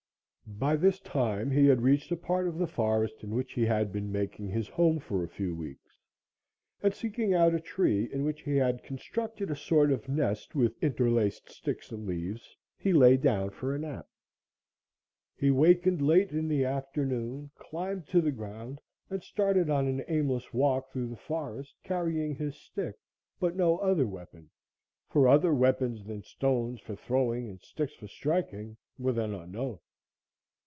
By this time he had reached a part of the forest in which he had been making his home for a few weeks and, seeking out a tree, in which he had constructed a sort of nest with interlaced sticks and leaves, he lay down for a nap. He wakened late in the afternoon, climbed to the ground and started on an aimless walk through the forest, carrying his stick, but no other weapon, for other weapons than stones for throwing and sticks for striking were then unknown.